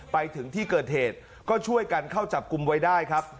ไปถึงที่เกิดเหตุก็ช่วยกันเข้าจับกลุ่มไว้ได้ครับ